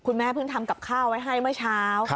แม่เพิ่งทำกับข้าวไว้ให้เมื่อเช้า